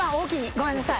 ごめんなさい。